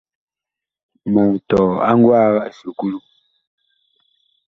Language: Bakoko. Mag tɔɔ a ngwaag esukulu.